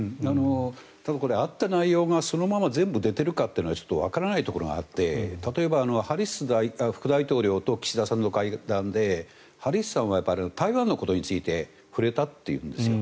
多分これあった内容がそのまま全部出ているかはちょっとわからないところがあって例えば、ハリス副大統領と岸田さんの会談でハリスさんは台湾のことについて触れたというんですよ。